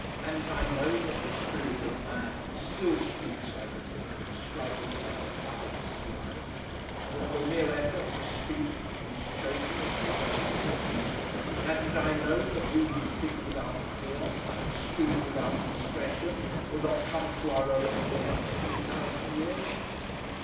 Hadn't I known that the spirit of man still speaks like a thing that struggles out of mud and slime, and that the mere effort to speak means choking and disaster? Hadn't I known that we who think without fear and speak without discretion will not come to our own for the next two thousand years?